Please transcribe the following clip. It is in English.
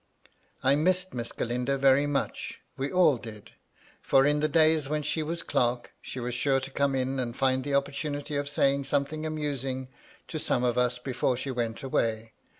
I MY LADY LUDLOW. 309 missed Miss Galindo very much ; we all did ; for, in the days when she was clerk, she was sure to come in and find the opportunity of saying something amusing to some of us before she went away.